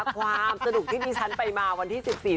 ความสนุกที่ดิฉันไปมาวันที่๑๔